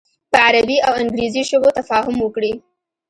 په عربي او انګریزي ژبو تفاهم وکړي.